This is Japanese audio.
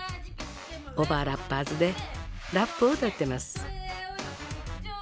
おばぁラッパーズでラップを歌ってます。